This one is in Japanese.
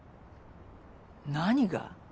何が？